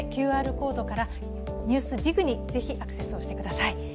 ＱＲコードから「ＮＥＷＳＤＩＧ」にぜひアクセスしてください。